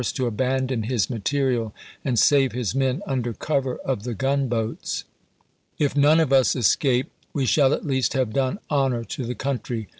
hakeison's landing 445 to abandon his material and save his men under ch.xxiv. cover of the gunboats. " If none of us escape, we shall at least have done honor to the country.